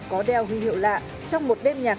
có đeo huy hiệu lạ trong một đêm nhạc